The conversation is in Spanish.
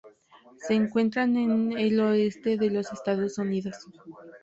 Se encuentra en el oeste de los Estados Unidos.